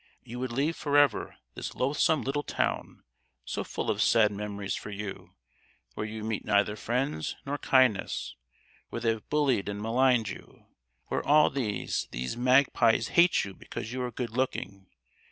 You would leave for ever this loathsome little town, so full of sad memories for you; where you meet neither friends nor kindness; where they have bullied and maligned you; where all these—these magpies hate you because you are good looking!